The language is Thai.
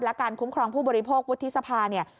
และการคุ้มครองผู้บริโภควุฒิสภาเนี่ย